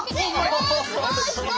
おすごいすごい！